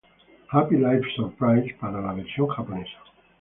Happy Live Surprise para la versión japonesa.